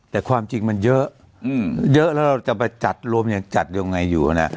แต่ความจริงมันเยอะเอือเยอะแล้วเราจะไปจัดรวมริยธรรมอย่างจัดยังไงอยู่น่ะ